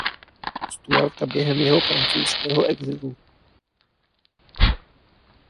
Stuarta během jeho francouzského exilu.